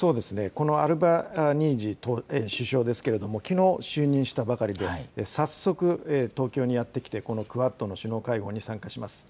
このアルバニージー首相ですけれども、きのう、就任したばかりで、早速、東京にやって来て、このクアッドの首脳会合に参加します。